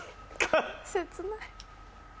切ない。